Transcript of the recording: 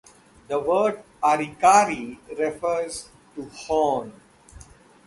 The word "Arikaree" refers to "horn".